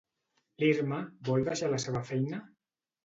L'Irma vol deixar la seva feina?